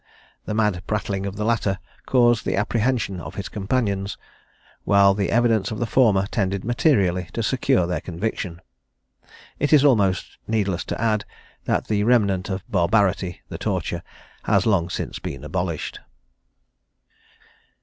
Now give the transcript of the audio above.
The mad prattling of the latter caused the apprehension of his companions, while the evidence of the former tended materially to secure their conviction. It is almost needless to add, that that remnant of barbarity, the torture, has long since been abolished.